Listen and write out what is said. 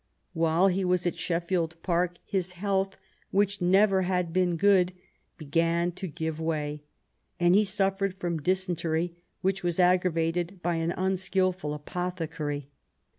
While he was at Sheffield Park his health, which never had been good, began to give way, and he suffered from dysentery, which was aggravated by an unskilful apothecary.